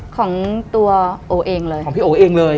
ของตัวโอเองเลยของพี่โอ๋เองเลย